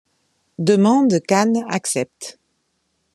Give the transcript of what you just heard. Demande qu'Anne accepte.